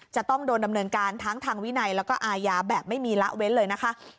จะต้องโดนดำเนินการทั้งทางวินัยแล้วก็อาญาแบบไม่มีละเว้นเลยนะคะ